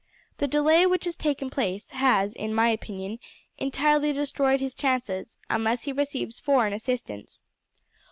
The delay which has taken place has, in my opinion, entirely destroyed his chances, unless he receives foreign assistance.